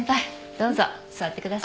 どうぞ座ってください。